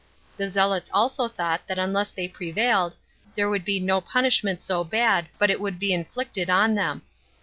The zealots also thought that unless they prevailed, there would be no punishment so bad but it would be inflicted on them.